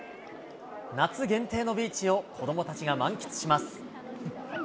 夏限定のビーチを子どもたちが満喫します。